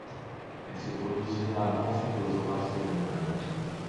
Elles se produisent généralement suite aux orages cévenols.